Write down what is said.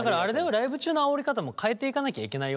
ライブ中のあおり方も変えていかなきゃいけないよ。